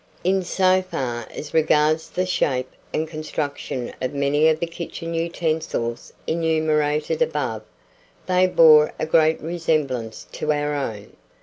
] In so far as regards the shape and construction of many of the kitchen utensils enumerated above, they bore a great resemblance to our own.